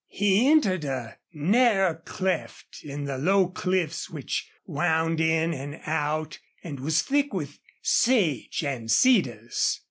He entered a narrow cleft in the low cliffs which wound in and out, and was thick with sage and cedars.